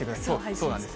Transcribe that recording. そうなんです。